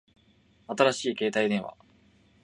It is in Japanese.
新しい携帯電話